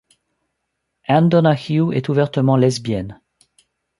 Ann Donahue est ouvertement lesbienne.